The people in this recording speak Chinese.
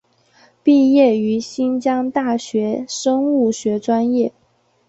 毕业于新疆大学生物学专业。